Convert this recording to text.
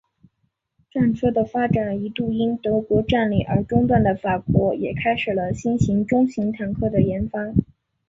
战车的发展一度因德国占领而中断的法国也开始了新型中型坦克的研发。